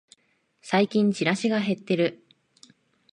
最近チラシが減ってる